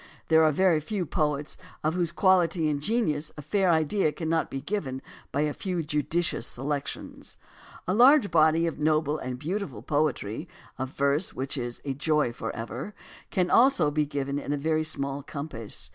There are very few poets of whose quality and genius a fair idea cannot be given by a few judicious selections. A large body of noble and beautiful poetry, of verse which is "a joy forever," can also be given in a very small compass.